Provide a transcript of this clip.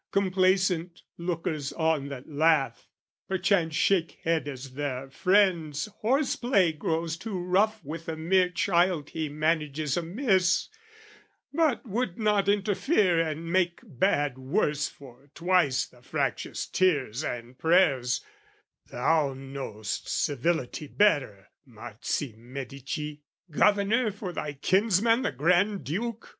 Complacent lookers on that laugh, perchance Shake head as their friend's horse play grows too rough With the mere child he manages amiss But would not interfere and make bad worse For twice the fractious tears and prayers: thou know'st Civility better, Marzi Medici, Governor for thy kinsman the Granduke!